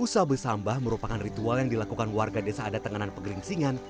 busa besambah merupakan ritual yang dilakukan warga desa ada tenganan pegeringsingan